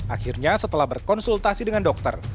akhirnya setelah berkonsultasi dengan dokter